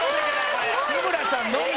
日村さんのみ。